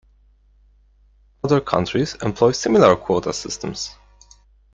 Other countries employ similar quota systems.